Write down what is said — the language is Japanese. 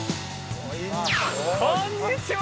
こんにちは！